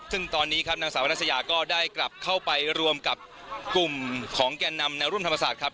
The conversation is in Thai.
ซึ่งตอนนี้ครับนางสาวรัชยาก็ได้กลับเข้าไปรวมกับกลุ่มของแก่นำแนวร่วมธรรมศาสตร์ครับ